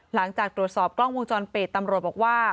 หลังจากตรวจสอบกล้องวงจรปิดตำรวจบอกว่า